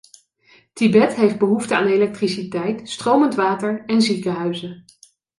Tibet heeft behoefte aan elektriciteit, stromend water en ziekenhuizen.